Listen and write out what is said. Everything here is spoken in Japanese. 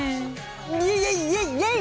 イエイイエイイエイイエイ！